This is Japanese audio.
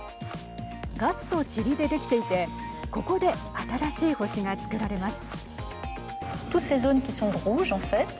ガスとちりで出来ていてここで新しい星がつくられます。